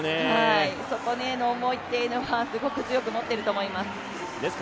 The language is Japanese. そこへの思いは強く思っていると思います。